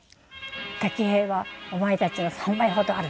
「竹槍はお前たちの３倍ほどある。